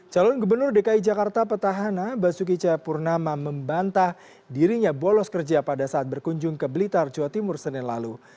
calon gubernur dki jakarta petahana basuki cahayapurnama membantah dirinya bolos kerja pada saat berkunjung ke blitar jawa timur senin lalu